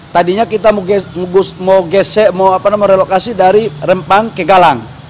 tadinya kita mau relokasi dari rempang ke galang